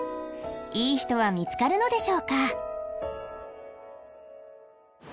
いい人は見つかるのでしょうか？